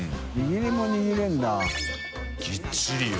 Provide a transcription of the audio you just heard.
ぎっちりよ。